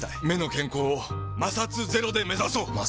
目の健康を摩擦ゼロで目指そう！